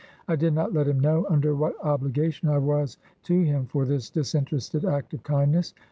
I did not let him know under what obligation I was to him for this disinterested act of kindness.